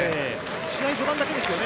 試合序盤だけですよね。